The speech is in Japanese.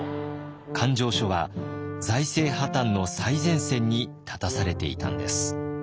勘定所は財政破綻の最前線に立たされていたんです。